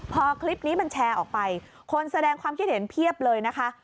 พอคลิปนี้มันแชร์ออกไปคนแสดงความคิดเห็นเพียบเลยนะคะ